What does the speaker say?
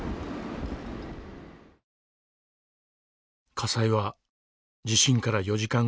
火災は地震から４時間後に発生。